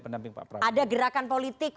pendamping pak prabowo ada gerakan politik